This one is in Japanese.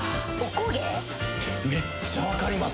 めっちゃ分かります。